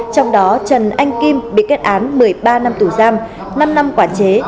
trong đó trần anh kim bị kết án một mươi ba năm tù giam năm năm quả chế